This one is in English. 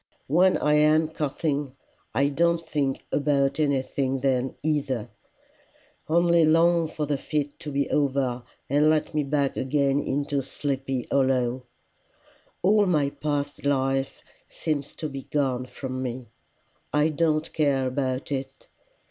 When I am coughing, I don't think about anything then either only long for the fit to be over and let me back again into Sleepy Hollow. All my past life seems to be gone from me. I don't care about it.